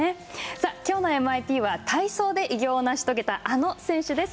さあ、きょうのＭＩＰは体操で偉業を成し遂げたあの選手です。